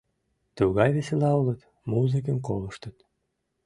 Тугай весела улыт, музыкым колыштыт.